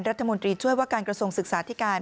รัฐมนตรีช่วยว่าการกระทรวงศึกษาธิการ